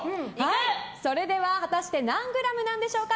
それでは、果たして何グラムなんでしょうか。